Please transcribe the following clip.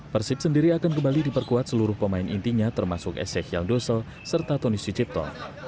persib sendiri akan kembali diperkuat seluruh pemain intinya termasuk esek yaldusel serta tony sijipto